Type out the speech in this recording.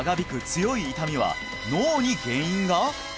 強い痛みは脳に原因が！？